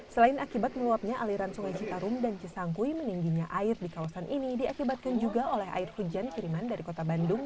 selain akibat meluapnya aliran sungai citarum dan cisangkui meningginya air di kawasan ini diakibatkan juga oleh air hujan kiriman dari kota bandung